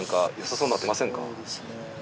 そうですね。